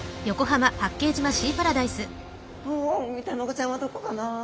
ウミタナゴちゃんはどこかな？